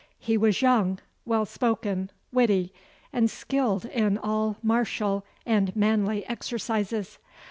He was young, well spoken, witty, and skilled in all martial and manly exercises.